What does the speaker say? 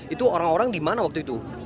itu orang orang di mana waktu itu